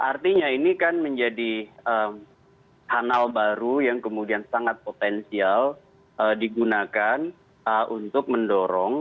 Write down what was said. artinya ini kan menjadi kanal baru yang kemudian sangat potensial digunakan untuk mendorong